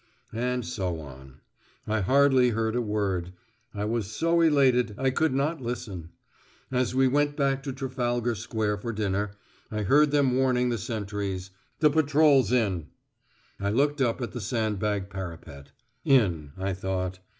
And so on. I hardly heard a word. I was so elated, I could not listen. As we went back to Trafalgar Square for dinner, I heard them warning the sentries "The patrol's in." I looked up at the sandbag parapet. "In," I thought.